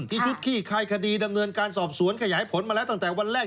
ชุดขี้คายคดีดำเนินการสอบสวนขยายผลมาแล้วตั้งแต่วันแรก